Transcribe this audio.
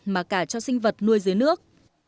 mà cả cho sinh vật nuôi dưới nước